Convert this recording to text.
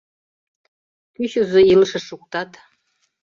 — Кӱчызӧ илышыш шуктат.